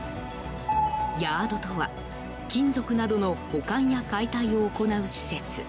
ヤードとは、金属などの保管や解体を行う施設。